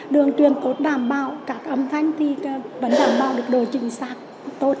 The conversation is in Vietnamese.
đường truyền tốt đảm bảo các âm thanh thì vẫn đảm bảo được đổi chính xác tốt